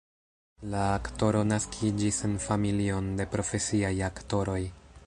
La aktoro naskiĝis en familion de profesiaj aktoroj.